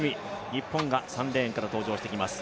日本が３レーンから登場してきます